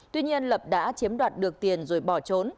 tuy nhiên lập đã chiếm đoạt được tiền rồi bỏ trốn